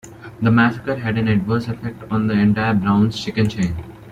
The massacre had an adverse effect on the entire Brown's Chicken chain.